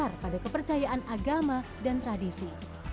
yang berakar pada kepercayaan agama dan tradisi